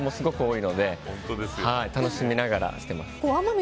変装もすごく多いので楽しみながらしています。